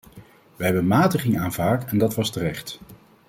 Wij hebben matiging aanvaard en dat was terecht.